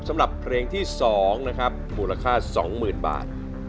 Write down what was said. สำหรับเพลงที่๒นะครับมูลค่า๒๐๐๐บาท